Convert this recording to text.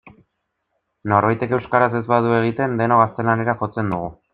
Norbaitek euskaraz ez badu egiten denok gaztelaniara jotzen dugu.